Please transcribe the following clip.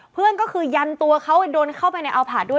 เพื่อนก็คือยันตัวเขาโดนเข้าไปในอัลพาร์ทด้วย